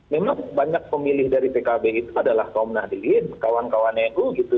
memang banyak pemilih dari pkb itu adalah kaum nahdilin kawan kawan nu gitu